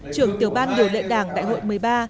trưởng tiểu ban điều lệ đảng đại hội một mươi ba